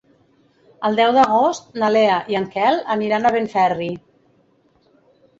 El deu d'agost na Lea i en Quel aniran a Benferri.